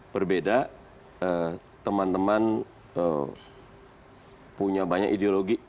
berbeda teman teman punya banyak ideologi